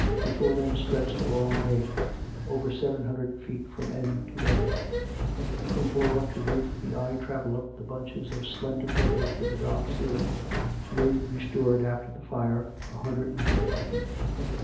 Before them stretched the long nave, over seven hundred feet from end to end; from floor to roof the eye travelled up the bunclics of slender pillars to the dark ceiling, newly restored after the fire, a hundred and fifty feet.